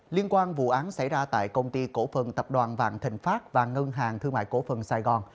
liên quan vụ án xảy ra tại công ty cổ phần tập đoàn vạn thịnh pháp và ngân hàng thương mại cổ phần sài gòn